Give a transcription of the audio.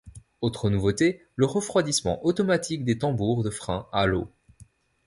Autre nouveauté, le refroidissement automatique des tambours de freins à l'eau.